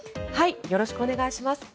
よろしくお願いします。